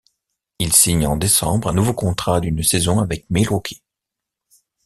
Il signe en décembre un nouveau contrat d'une saison avec Milwaukee.